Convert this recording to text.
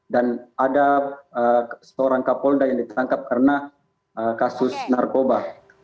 dan ada seorang kapolda yang ditangkap karena kasus narkoba